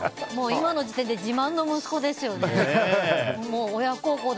今の時点で自慢の息子ですよね。